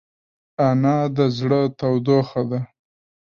انا د زړه تودوخه ده